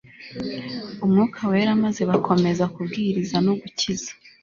umwuka wera maze bakomeza kubwiriza no gukiza